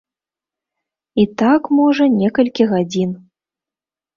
І так, можа, некалькі гадзін.